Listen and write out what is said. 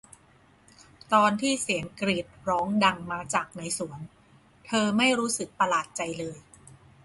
ในตอนที่เสียงกรีดร้องดังมาจากในสวนเธอไม่รู้สึกประหลาดใจเลย